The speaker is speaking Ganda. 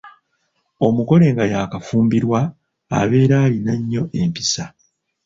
Omugole nga yaakafumbirwa abeera alina nnyo empisa.